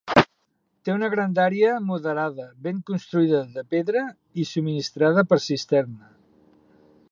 Té una grandària moderada, ben construïda de pedra i subministrada per cisterna.